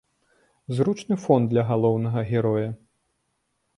Зручны фон для галоўнага героя.